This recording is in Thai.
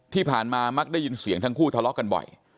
ที่ผ่านมามักได้ยินเสียงทั้งคู่ทะเลาะกันบ่อย